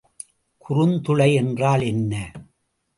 குறுந்துளை என்றால் என்ன?